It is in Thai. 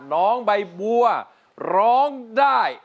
น้องใบบัวร้องได้